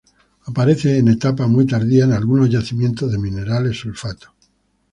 Aparece en etapa muy tardía en algunos yacimientos de minerales sulfatos.